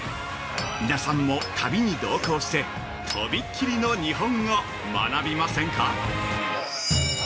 皆さんも、旅に同行して、「とびっきりの日本」を学びませんか？